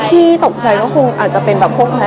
ก็ที่ตกใจก็คงอาจจะเป็นพวก